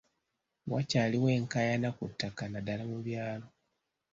Wakyaliwo enkaayana ku ttaka naddaala mu byalo.